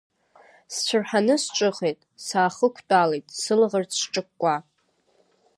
Сцәырҳаны сҿыхеит, саахықәтәалеит, сылаӷырӡ сҿыкәкәа.